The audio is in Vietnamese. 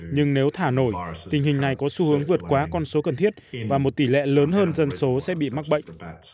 nhưng nếu thả nổi tình hình này có xu hướng vượt quá con số cần thiết và một tỷ lệ lớn hơn dân số sẽ bị mắc bệnh